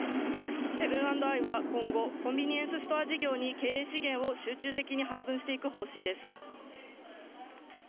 セブン＆アイは今後コンビニエンスストア事業に経営資源を集中的に配分していく方針です。